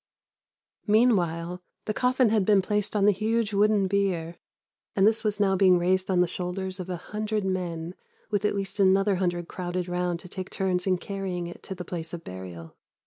"Meanwhile, the coffin had been placed on the huge wooden bier, and this was now being raised on the shoulders of a hundred men, with at least another hundred crowded round to take turns in carrying it to the place of burial.